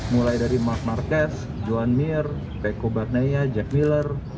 mulai dari mark marquez johan mir peko bagnaya jack miller